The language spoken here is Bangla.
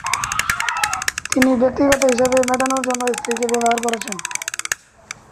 তিনি ব্যক্তিগত হিসাবে মেটানোর জন্য স্ত্রীকে ব্যবহার করছেন!